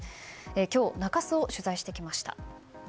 今日、中洲を取材してきました。